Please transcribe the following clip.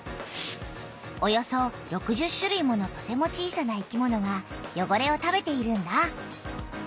およそ６０種類ものとても小さな生きものがよごれを食べているんだ。